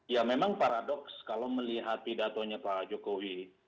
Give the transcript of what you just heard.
ya memang paradoks kalau melihat pidatonya pak jokowi